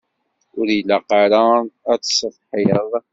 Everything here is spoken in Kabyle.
Ur ilaq ara ad tessetḥiḍ.